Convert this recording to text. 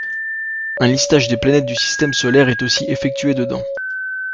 Un listage des planètes du système solaire est aussi effectué dedans.